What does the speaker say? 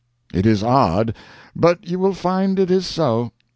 ] It is odd, but you will find it is so.